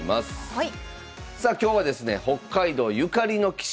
はい。